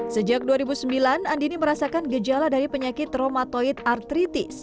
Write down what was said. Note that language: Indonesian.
sejak dua ribu sembilan andini merasakan gejala dari penyakit traumatoid artritis